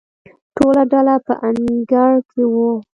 ټوله ډله په انګړ کې وه.